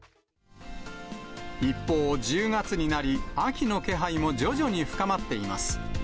一方、１０月になり、秋の気配も徐々に深まっています。